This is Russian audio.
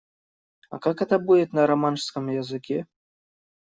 А как это будет на романшском языке?